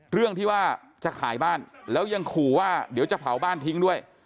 เรื่องที่ว่าจะขายบ้านแล้วยังขู่ว่าเดี๋ยวจะเผาบ้านทิ้งด้วย